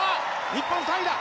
日本３位だ！